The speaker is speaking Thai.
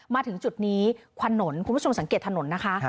มาถึงจุดนี้ถนนคุณผู้ชมสังเกตถนนนะคะ